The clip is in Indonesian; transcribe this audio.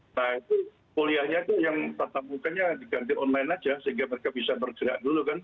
nah itu kuliahnya itu yang tetap namun kan diganti online saja sehingga mereka bisa bergerak dulu kan